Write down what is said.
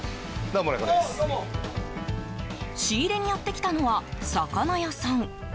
仕入れにやってきたのは魚屋さん。